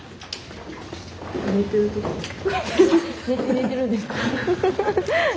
寝てるんですか？